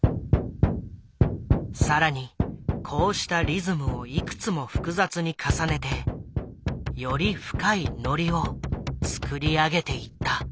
更にこうしたリズムをいくつも複雑に重ねてより深いノリを作り上げていった。